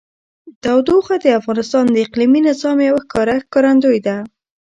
تودوخه د افغانستان د اقلیمي نظام یوه ښکاره ښکارندوی ده.